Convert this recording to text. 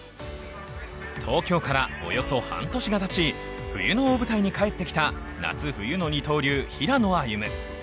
東京からおよそ半年がたち、冬の大舞台に帰ってきた夏冬の二刀流・平野歩夢。